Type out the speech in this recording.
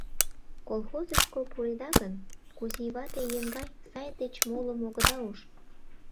Колхозышко пуреда гын, Кузий вате еҥгай, сай деч молым огыда уж.